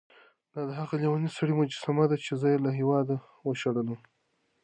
دا د هغه لېوني سړي مجسمه ده چې زه یې له هېواده وشړلم.